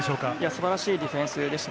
素晴らしいディフェンスです。